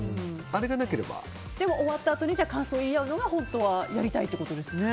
でも、終わったあとに感想を言い合うのは本当はやりたいってことですね。